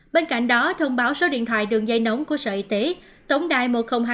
bên cạnh đó thông báo số điện thoại đường dây nóng của sở y tế tổng đài một nghìn hai mươi hai